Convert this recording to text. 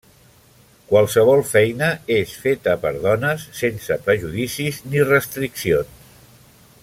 Qualsevol feina és feta per dones, sense prejudicis ni restriccions.